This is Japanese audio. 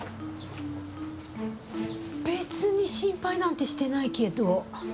別に心配なんてしてないけど。